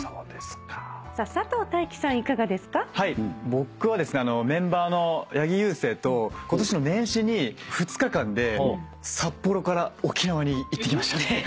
僕はですねメンバーの八木勇征と今年の年始に２日間で札幌から沖縄に行ってきました。